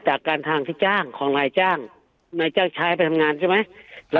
จากการทางที่จ้างของนายจ้างนายจ้างใช้ไปทำงานใช่ไหม